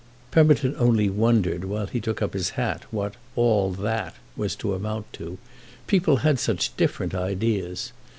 Pemberton only wondered, while he took up his hat, what "all that" was to amount to—people had such different ideas.